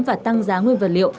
và tăng giá nguyên vật liệu